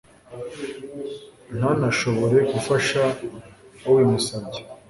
ntanashobore gufasha ubimusabye